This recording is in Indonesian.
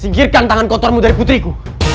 singkirkan tangan kotormu dari putriku